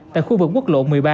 tại khu vực quốc lộ một mươi ba